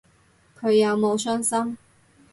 佢有冇傷心